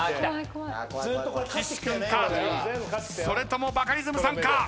それともバカリズムさんか？